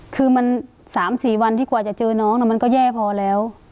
คือมัน๓๔วันที่กว่าจะเจอน้องมันก็แย่พอแล้ว